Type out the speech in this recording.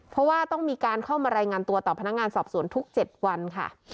เพราะว่าต้องมีการเข้ามารายงานตัวต่อพนักงานสอบสวนทุก๗วันค่ะ